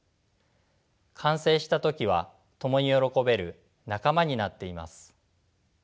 完成した時は共に喜べる仲間になっています。